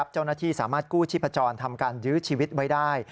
เจ้าหน้าที่สามารถกู้ชีพจรทำการยื้อชีวิตไว้ได้